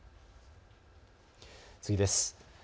次です。